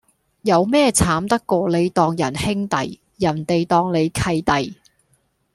有咩慘得過你當人兄弟,人地當你契弟